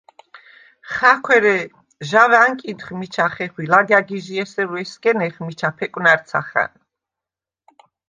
ხა̈ქვ, ერე ჟავ ა̈ნკიდხ მიჩა ხეხვ ი ლაგა̈გიჟ’ ესერუ ესგენეხ მიჩა ფეკვნა̈რცახა̈ნ.